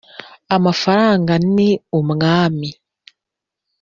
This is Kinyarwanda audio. amafaranga ni umwami.